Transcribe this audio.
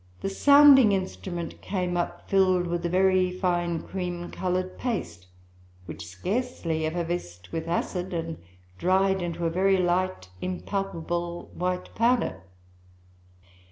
the sounding instrument came up filled with a very fine cream coloured paste, which scarcely effervesced with acid, and dried into a very light, impalpable, white powder.